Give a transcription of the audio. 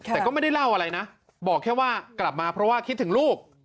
แต่ก็ไม่ได้เล่าอะไรนะบอกแค่ว่ากลับมาเพราะว่าคิดถึงลูก